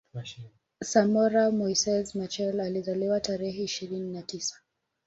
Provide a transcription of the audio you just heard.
Samora Moises Machel Alizaliwa tarehe ishirini na tisa